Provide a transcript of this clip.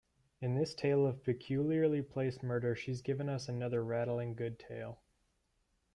In this tale of peculiarly placed murder she's given us another rattling good tale.